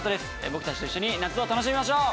僕たちと一緒に夏を楽しみましょう！